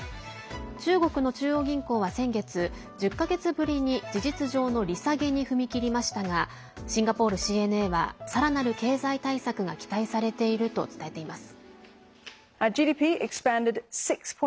中国の中央銀行は先月１０か月ぶりに事実上の利下げに踏み切りましたがシンガポールＣＮＡはさらなる経済対策が期待されていると伝えています。